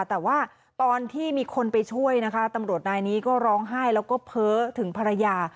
แต่ว่าตอนที่มีคนไปช่วยนะคะตำรวจนายนี้ก็ร้องไห้แล้วก็เพ้อถึงภรรยา